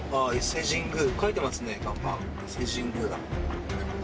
伊勢神宮だ。